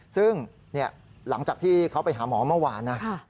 ซึ่งหลังจากที่เขาไปหาหมอเมื่อวานนะ